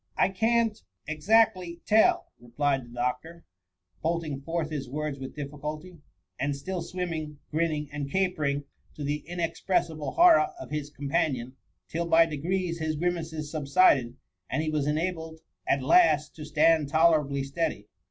I can't — exactly — ^tell,'' replied the doctor, bolting forth his words with difficulty, and still swimming, grinning, and capering, to the in« expressible horror of his companion, till «by de grees his grimaces subsided, and he was enabled at last to s^and tolerably steady.